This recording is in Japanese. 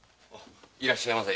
いらっしゃいませ。